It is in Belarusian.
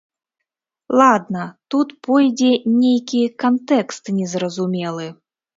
Ладна, тут пойдзе нейкі кантэкст не зразумелы.